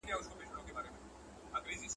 که زده کوونکي په تخته املا ولیکي.